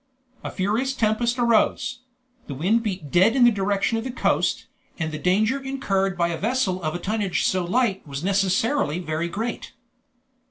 A furious tempest arose; the wind beat dead in the direction of the coast, and the danger incurred by a vessel of a tonnage so light was necessarily very great.